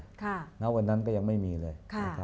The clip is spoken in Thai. ณวันนั้นก็ยังไม่มีเลย